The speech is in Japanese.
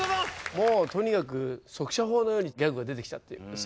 もうとにかく速射砲のようにギャグが出てきたっていうですね。